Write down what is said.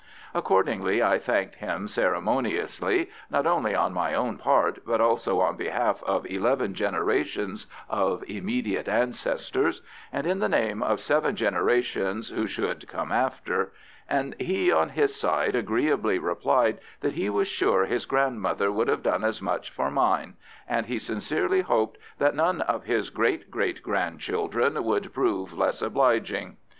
Accordingly I thanked him ceremoniously, not only on my own part, but also on behalf of eleven generations of immediate ancestors, and in the name of seven generations who should come after, and he on his side agreeably replied that he was sure his grandmother would have done as much for mine, and he sincerely hoped that none of his great great grandchildren would prove less obliging.